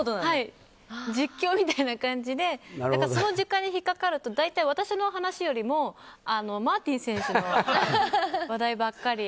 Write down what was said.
実況みたいな感じでその時間に引っかかると大体、私よりもマーティン選手の話題ばっかり。